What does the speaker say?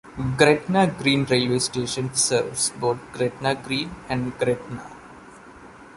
Gretna Green railway station serves both Gretna Green and Gretna.